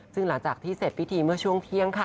ซึ่งหลังจากที่เสร็จพิธีเมื่อช่วงเที่ยงค่ะ